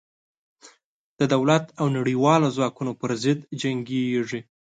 د دولت او نړېوالو ځواکونو پر ضد جنګېږي.